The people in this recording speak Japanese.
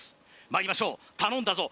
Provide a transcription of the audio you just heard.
まいりましょう頼んだぞ